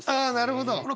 あなるほど。